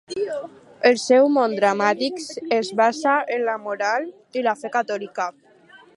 El seu món dramàtic es basa en la moral i la fe catòlica.